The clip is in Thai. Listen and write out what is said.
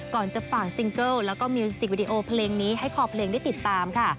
ก่อนจะฝากซิงเกิลแล้วก็มิวสิกวิดีโอเพลงนี้ให้คอเพลงได้ติดตามค่ะ